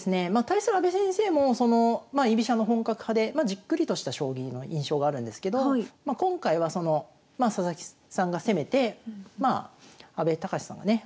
対する阿部先生もまあ居飛車の本格派でじっくりとした将棋の印象があるんですけど今回はそのまあ佐々木さんが攻めて阿部隆さんがね